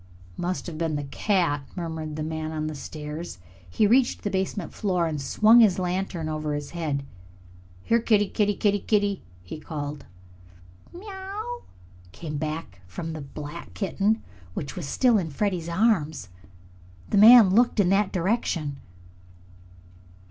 "Must have been the cat," murmured the man on the stairs. He reached the basement floor and swung his lantern over his head. "Here, kittie, kittie, kittie!" he called. "Meow!" came from the black kitten, which was still in Freddie's arms. Then the man looked in that direction.